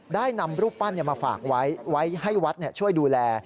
ได้นำรูปปั้นมาฝากไว้ไว้ให้วัดช่วยดูแล